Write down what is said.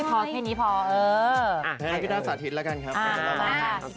พี่ต้าสาทิตย์แล้วกันครับ